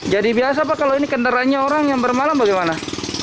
jadi biasa pak kalau ini kendaranya orang yang bermalam bagaimana